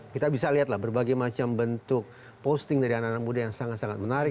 kita bisa lihatlah berbagai macam bentuk posting dari anak anak muda yang sangat sangat menarik